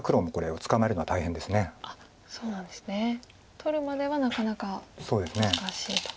取るまではなかなか難しいと。